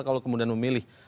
kalau kemudian memilih